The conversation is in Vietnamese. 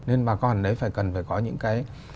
nên bà con ở đấy phải cần phải có những cái